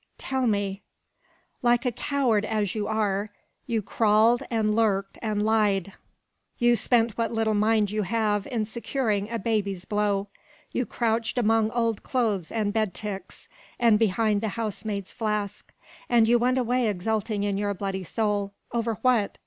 "Tell me." "Like a coward as you are, you crawled, and lurked, and lied; you spent what little mind you have in securing a baby's blow, you crouched among old clothes and bed ticks, and behind the housemaid's flask; and you went away exulting in your bloody soul, over what?